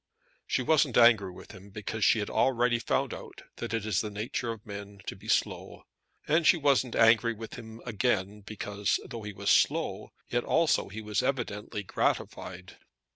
She wasn't angry with him, because she had already found out that it is the nature of men to be slow. And she wasn't angry with him, again, because, though he was slow, yet also was he evidently gratified.